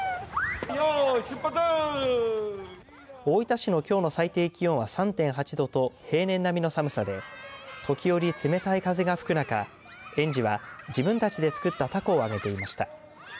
大分市のきょうの最低気温は３．８度と平年並みの寒さでときおり、冷たい風が吹く中園児は自分たちで作ったたこを揚げていました。